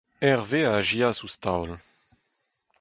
Herve a azezas ouzh taol.